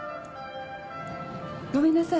ごめんなさい。